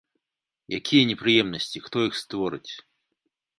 Якія непрыемнасці, хто іх створыць?